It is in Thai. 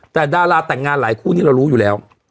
แต่ดาราแต่งงานหลายคู่นี้เรารู้อยู่แล้ว